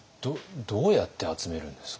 どうやって集めるんですか？